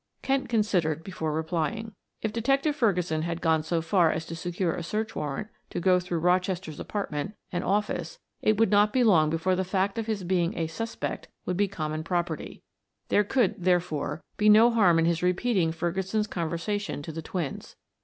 Kent considered before replying. If Detective Ferguson had gone so far as to secure a search warrant to go through Rochester's apartment and office it would not be long before the fact of his being a "suspect" would be common property; there could, therefore, be no harm in his repeating Ferguson's conversation to the twins.